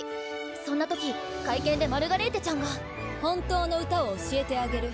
そんな時会見でマルガレーテちゃんが「本当の歌を教えてあげる」。